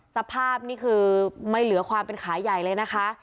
สภาพนี่คือไม่เหลือความเป็นขาใหญ่เลยนะคะ